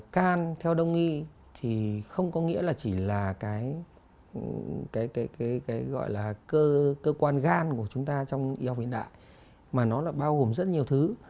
gan theo đông y thì không có nghĩa là chỉ là cơ quan gan của chúng ta trong y học hiện đại mà nó bao gồm rất nhiều thứ